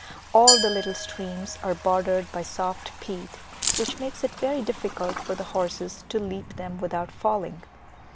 All the little streams are bordered by soft peat, which makes it very difficult for the horses to leap them without falling.